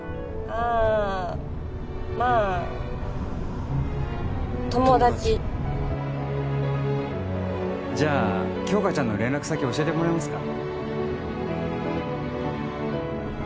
ああまあ友達友達じゃあ杏花ちゃんの連絡先教えてもらえますか？